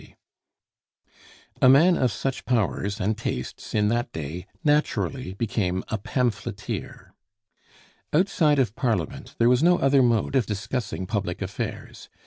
] A man of such powers and tastes in that day naturally became a pamphleteer. Outside of Parliament there was no other mode of discussing public affairs.